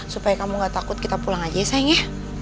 supaya kamu gak takut kita pulang aja ya sayang ya